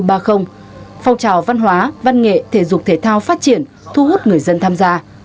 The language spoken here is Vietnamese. phong trào văn hóa văn nghệ thể dục thể thao phát triển thu hút người dân tham gia